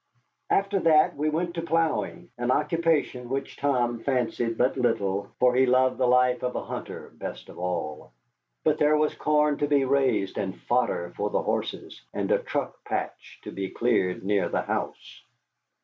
After that we went to ploughing, an occupation which Tom fancied but little, for he loved the life of a hunter best of all. But there was corn to be raised and fodder for the horses, and a truck patch to be cleared near the house.